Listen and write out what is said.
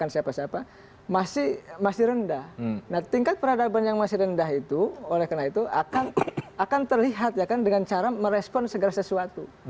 nah tingkat peradaban yang masih rendah itu oleh karena itu akan terlihat ya kan dengan cara merespon segala sesuatu